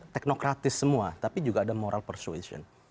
teknokratis semua tapi juga ada moral persuation